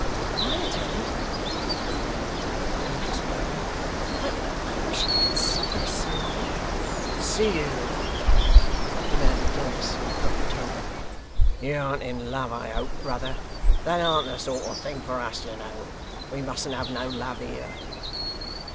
'I'll attend,' said Barnaby, looking anxiously round; 'but I wish I could see her somewhere.' 'See who?' demanded Dennis in a gruff tone. 'You an't in love I hope, brother? That an't the sort of thing for us, you know. We mustn't have no love here.